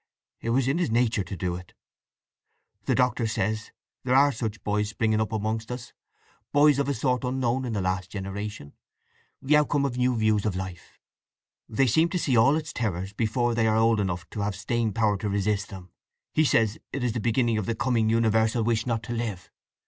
"It was in his nature to do it. The Doctor says there are such boys springing up amongst us—boys of a sort unknown in the last generation—the outcome of new views of life. They seem to see all its terrors before they are old enough to have staying power to resist them. He says it is the beginning of the coming universal wish not to live.